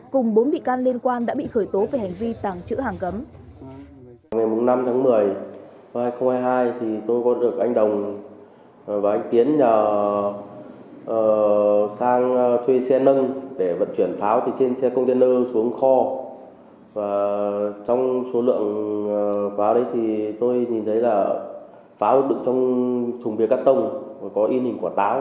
cùng bốn bị can liên quan đã bị khởi tố về hành vi tàng trữ hàng cấm